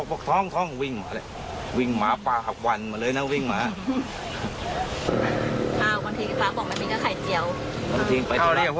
ผมข้ามมาทานครับ